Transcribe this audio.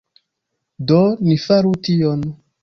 Do, ni faru tion